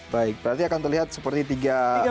baik berarti akan terlihat seperti tiga empat tiga ya